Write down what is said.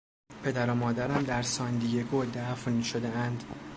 پدر و مادرم در ساندیگو دفن شدهاند.